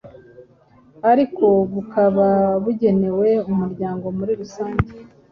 ariko bukaba bugenewe umuryango muri rusange